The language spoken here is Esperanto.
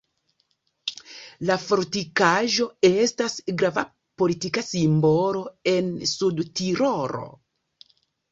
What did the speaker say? La fortikaĵo estas grava politika simbolo en Sudtirolo.